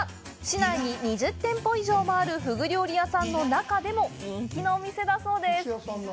市内に２０店舗以上もあるふぐ料理屋さんの中でも人気のお店だそうです。